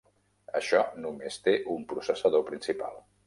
Això només té un processador principal.